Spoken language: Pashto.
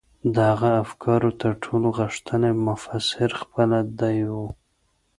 د هغه د افکارو تر ټولو غښتلی مفسر خپله دی و.